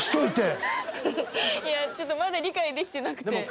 いやちょっとまだ理解できてなくて。